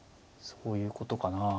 そういうことかな。